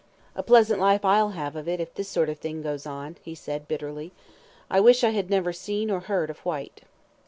"A pleasant life I'll have of it if this sort of thing goes on," he said, bitterly, "I wish I had never seen, or heard of Whyte."